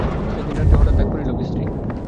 একদিন রাত্রে হঠাৎ ডাক পড়িল, বিশ্রী!